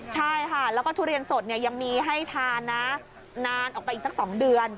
ใช่ค่ะแล้วก็ทุเรียนสดยังมีให้ทานนะนานออกไปอีกสัก๒เดือน